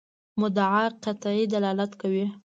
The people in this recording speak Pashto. مدعا قطعي دلالت کوي.